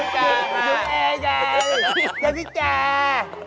เจ้าที่แจ่